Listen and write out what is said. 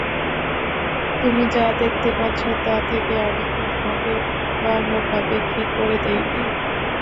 তুমি যা দেখতে পাচ্ছো তা থেকে আমি কি তোমাকে অমুখাপেক্ষী করে দেইনি?